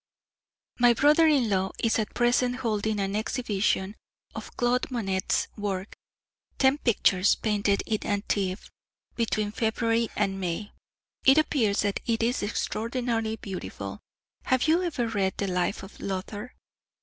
My brother in law is at present holding an exhibition of Claude Monet's work ten pictures painted at Antibes between February and May. It appears that it is extraordinarily beautiful. Have you ever read the life of Luther?